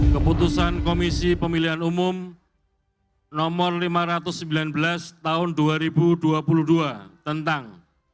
keputusan komisi pemilihan umum nomor lima ratus sembilan belas tahun dua ribu dua puluh dua tentang